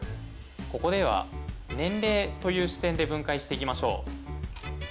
ここでは年齢という視点で分解していきましょう。